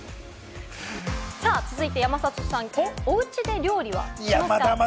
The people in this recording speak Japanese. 続いて、山里さんはおうちで料理はしますか？